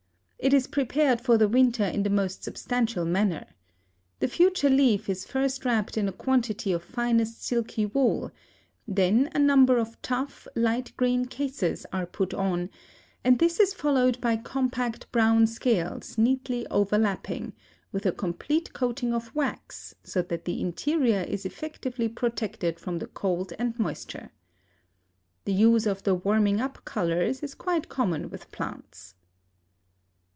It is prepared for the winter in the most substantial manner. The future leaf is first wrapped in a quantity of finest silky wool, then a number of tough light green cases are put on, and this is followed by compact brown scales neatly overlapping, with a complete coating of wax, so that the interior is effectively protected from the cold and moisture. The use of the warming up colors is quite common with plants.